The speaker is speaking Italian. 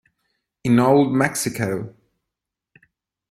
In Old Mexico